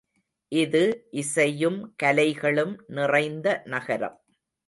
இது இசையும் கலைகளும் நிறைந்த நகரம்.